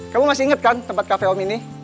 kamu masih inget kan tempat cafe om ini